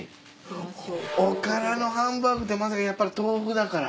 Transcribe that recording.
おからのハンバーグってやっぱり豆腐だから？